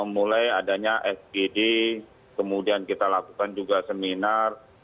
mulai adanya fgd kemudian kita lakukan juga seminar